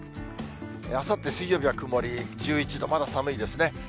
あさって水曜日は曇り、１１度、まだ寒いですね。